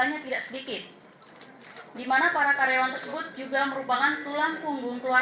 artinya tidak ada masalah dengan hotel kita